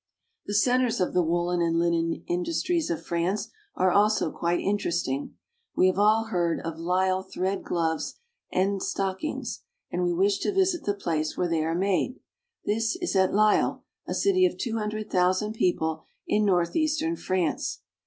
The centers of the woolen and linen industries of France are also quite interesting. We have all heard of lisle thread gloves and stockings, and we wish to visit the place where they are made. This is at Lisle, a city of two hundred thousand people in northeastern France.